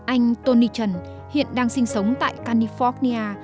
anh tony trần hiện đang sinh sống tại california